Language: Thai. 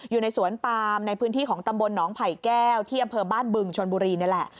อยู่ในสวนปามในพื้นที่ของตำบลหนองไผ่แก้วที่อำเภอบ้านบึงชนบุรีนี่แหละ